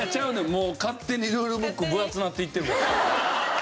もう勝手にルールブック分厚くなっていってるから。